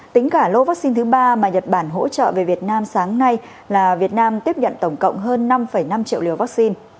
tính cả lô vaccine thứ ba mà nhật bản hỗ trợ về việt nam sáng nay là việt nam tiếp nhận tổng cộng hơn năm năm triệu liều vaccine